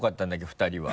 ２人は。